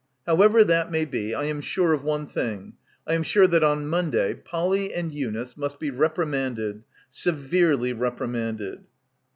However that may be, I am sure of one thing. I am sure that on Monday Polly and Eunice must be reprimanded. Severely repri manded."